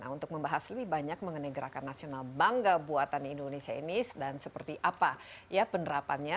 untuk membahas lebih banyak mengenai gerakan nasional bangga buatan indonesia ini dan seperti apa ya penerapannya